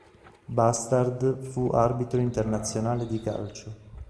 Bastard fu arbitro internazionale di calcio.